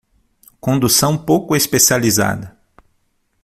Condução pouco especializada